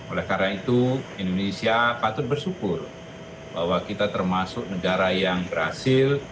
oleh karena itu indonesia patut bersyukur bahwa kita termasuk negara yang berhasil